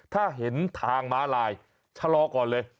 ถ้าเห็นทางม้าลายชะลอก่อนเลย